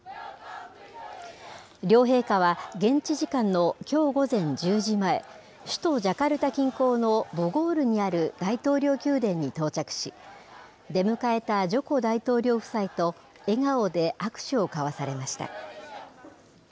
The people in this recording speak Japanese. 両陛下は、現地時間のきょう午前１０時前、首都ジャカルタ近郊のボゴールにある大統領宮殿に到着し、出迎えたジョコ大統領夫妻と、笑顔で握手を交わされました。